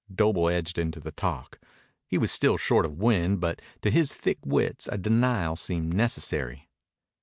Doble edged into the talk. He was still short of wind, but to his thick wits a denial seemed necessary.